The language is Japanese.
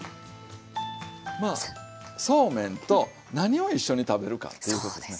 まあそうめんと何を一緒に食べるかということでね。